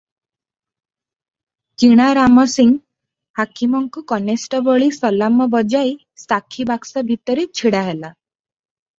କିଣାରାମ ସିଂ ହାକିମଙ୍କୁ କନେଷ୍ଟବଳୀ ସଲାମ ବଜାଇ ସାକ୍ଷୀ ବାକସ ଭିତରେ ଛିଡା ହେଲା ।